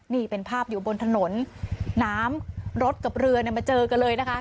นี่เป็นภาพอยู่บนถนนน้ำรถกับเรือเนี่ยมาเจอกันเลยนะคะ